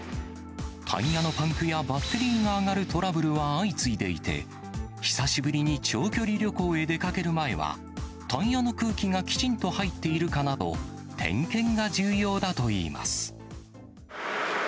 タイヤのパンクやバッテリーが上がるトラブルは相次いでいて、久しぶりに長距離旅行へ出かける前は、タイヤの空気がきちんと入っているかなど、点検が重要だといいます。